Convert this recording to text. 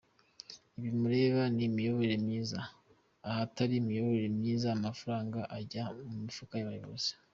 Ibi mureba ni imiyoborere myiza, ahatari imiyoborere myiza, amafaranga ajya mu mifuka y’abayobozi.